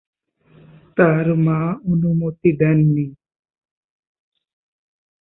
তাঁর মা অনুমতি দেননি।